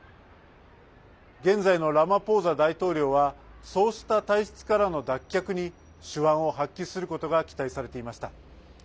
現在のラマポーザ大統領はそうした体質からの脱却に手腕を発揮することが期待されていました。